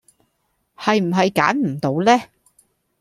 係唔係揀唔到呢